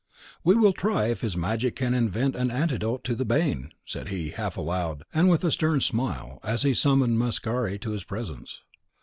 "We will try if his magic can invent an antidote to the bane," said he, half aloud, and with a stern smile, as he summoned Mascari to his presence.